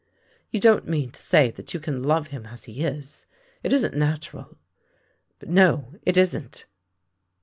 " You don't mean to say that you can love him as he is. It isn't natural. But no, it isn't!